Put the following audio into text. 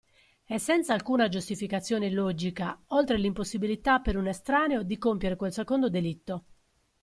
E senza alcuna giustificazione logica, oltre l'impossibilità per un estraneo di compiere quel secondo delitto.